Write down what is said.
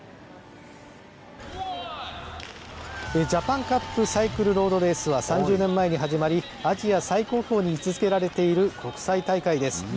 ジャパンカップサイクルロードレースは３０年前に始まり、アジア最高峰に位置づけられている国際大会です。